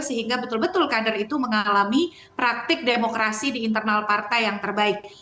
sehingga betul betul kader itu mengalami praktik demokrasi di internal partai yang terbaik